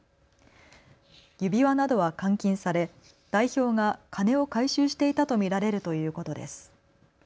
指輪などは換金され代表が金を回収していたと見られるということです。